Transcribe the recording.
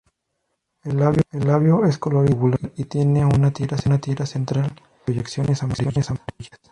El labio es colorido y tubular y tiene una tira central de proyecciones amarillas.